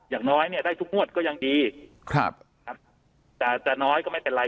อย่างน้อยเนี่ยได้ทุกงวดก็ยังดีครับจะน้อยก็ไม่เป็นไร